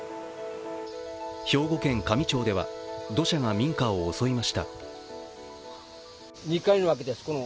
兵庫県香美町では土砂が民家を襲いました。